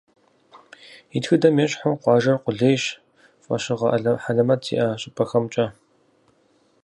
И тхыдэм ещхьу, къуажэр къулейщ фӏэщыгъэ хьэлэмэт зиӏэ щӏыпӏэхэмкӏэ.